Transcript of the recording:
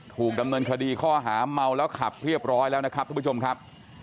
ถูกดำเนินคดีข้อหาเมาแล้วขับเรียบร้อยแล้วนะครับทุกผู้ชมครับ